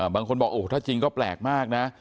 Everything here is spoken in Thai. บางคนบอกโอ้ถ้าจริงก็แปลกมากนะ